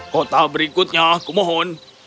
kota berikutnya kumohon